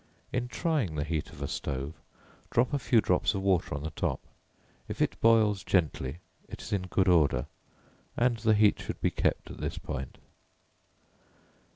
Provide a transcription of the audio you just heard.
In trying the heat of a stove, drop a few drops of water on the top, if it boils gently it is in good order, and the heat should be kept at this point.